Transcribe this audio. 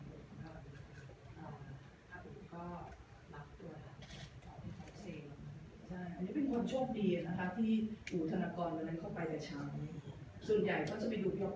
ส่วนใหญ่ก็จะไปดูพี่ออฟแมนกลับเมื่อเขาไปยังซึมซับในการทำงานของพี่ออฟด้วย